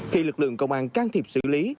khi lực lượng công an can thiệp xử lý